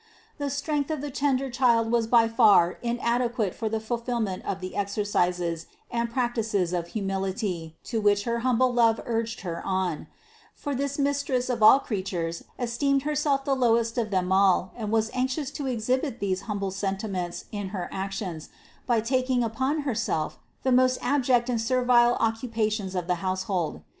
400. The strength of the tender Child was by far in adequate for the fulfillment of the exercises and prac tices of humility to which her humble love urged Her on; for this Mistress of all creatures esteemed Herself the lowest of them all and was anxious to exhibit these humble sentiments in her actions, by taking upon Herself the most abject and servile occupations of the household.